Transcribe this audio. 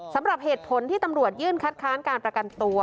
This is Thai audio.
สำหรับเหตุผลที่ตำรวจยื่นคัดค้านการประกันตัว